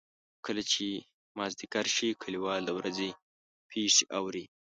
کله چې مازدیګر شي کلیوال د ورځې پېښې اوري.